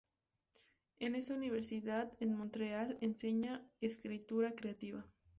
En esta universidad, en Montreal, enseña escritura creativa.